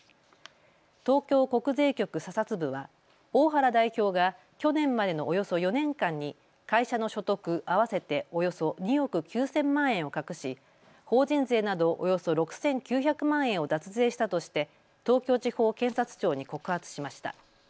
東京国税局査察部は大原代表が去年までのおよそ４年間に会社の所得合わせておよそ２億９０００万円を隠し法人税などおよそ６９００万円を脱税したとして東京地方検察庁に告発しました。